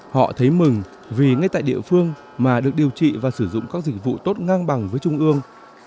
họ thấy mừng vì ngay tại địa phương mà được điều trị và sử dụng các dịch vụ tốt ngang bằng với trung ương